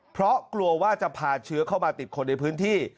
เพราะกลัวว่าจะพาเชื้อเข้ามาติดคนในพื้นที่